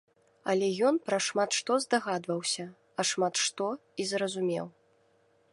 Але ён пра шмат што здагадваўся, а шмат што і зразумеў.